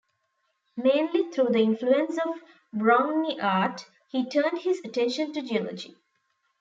Mainly through the influence of Brongniart he turned his attention to geology.